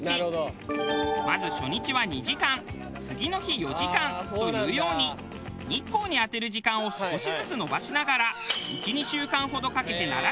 まず初日は２時間次の日４時間というように日光に当てる時間を少しずつ延ばしながら。